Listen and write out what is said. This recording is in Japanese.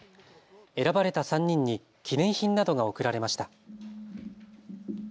選ばれた３人に記念品などが贈られました。